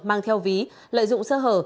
mang theo ví lợi dụng sơ hở